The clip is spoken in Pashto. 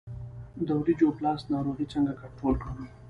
د وریجو بلاست ناروغي څنګه کنټرول کړم؟